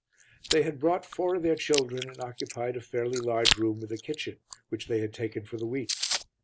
They had brought four of their children and occupied a fairly large room with a kitchen, which they had taken for the week.